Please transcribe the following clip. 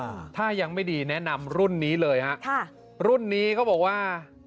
อ่าถ้ายังไม่ดีแนะนำรุ่นนี้เลยฮะค่ะรุ่นนี้เขาบอกว่า